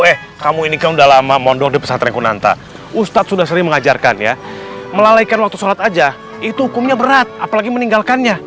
eh kamu ini kan udah lama mondok di pesantren kunanta ustadz sudah sering mengajarkan ya melalaikan waktu sholat aja itu hukumnya berat apalagi meninggalkannya